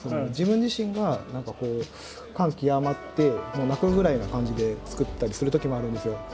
自分自身が何かこう感極まってもう泣くぐらいな感じで作ったりするときもあるんですよ